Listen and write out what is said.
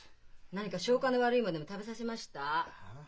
何か消化の悪いもんでも食べさせました？